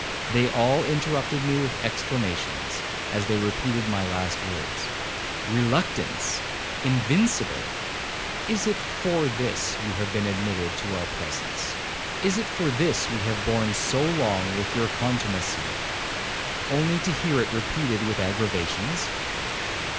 They all interrupted me with exclamations, as they repeated my last words,—'Reluctance! invincible! Is it for this you have been admitted to our presence? Is it for this we have borne so long with your contumacy, only to hear it repeated with aggravations?'